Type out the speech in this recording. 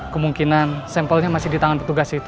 kemungkinan sampelnya masih di tangan petugas itu